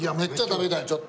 食べたい？